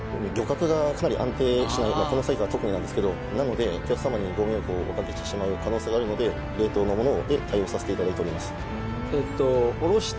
このサイズは特になんですけどなのでお客様にご迷惑をおかけしてしまう可能性があるので冷凍のもので対応させていただいております